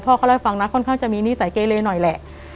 เขาเล่าให้ฟังนะค่อนข้างจะมีนิสัยเกเลหน่อยแหละ